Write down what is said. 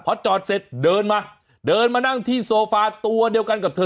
พอจอดเสร็จเดินมาเดินมานั่งที่โซฟาตัวเดียวกันกับเธอ